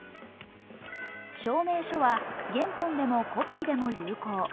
証明書は原本でもコピーでも有効。